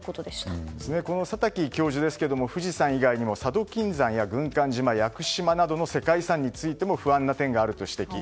この佐滝教授ですが富士山以外にも佐渡金山や軍艦島、屋久島などの世界遺産についても不安な点があると指摘。